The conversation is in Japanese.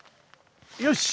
よし！